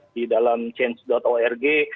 di dalam change org